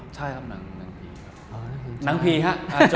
ใช่ครับนางผีค่ะ